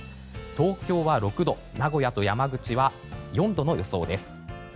東京は６度名古屋と山口は４度の予想です。